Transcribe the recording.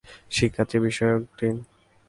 শিক্ষার্থী বিষয়ক ডিন।